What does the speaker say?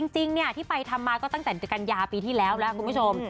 จริงที่ไปทำมาก็ตั้งแต่เดือนกันยาปีที่แล้วแล้วคุณผู้ชม